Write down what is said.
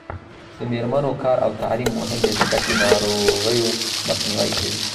د میرمنو کار او تعلیم مهم دی ځکه چې ناروغیو مخنیوی کوي.